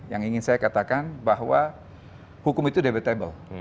yang ingin saya katakan bahwa hukum itu debatable